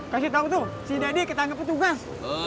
kasih tau tuh si deddy ketangkep petugas